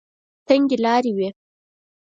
تنګې لارې وې.